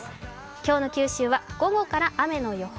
今日の九州は午後から雨の予報。